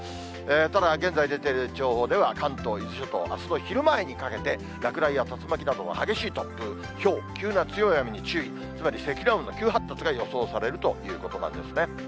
ただ、現在出ている情報では、関東、伊豆諸島、あすの昼前にかけて、落雷や竜巻などの激しい突風、ひょう、急な強い雨に注意、つまり積乱雲が急発達が予想されるということなんですね。